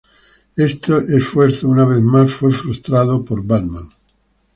Esto esfuerzo, una vez más, fue frustrado por Batman.